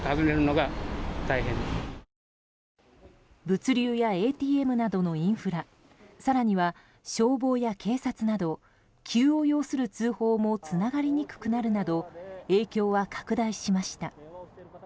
物流やＡＴＭなどのインフラ更には消防や警察など急を要する通報もつながりにくくなるなど影響は拡大しました。